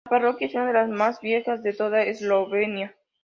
La parroquia es una de las más viejas de toda Eslovenia.